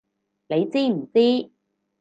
你知唔知！